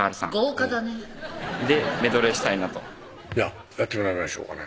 豪華だねでメドレーしたいなとじゃあやってもらいましょうかね